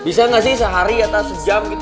bisa nggak sih sehari atau sejam gitu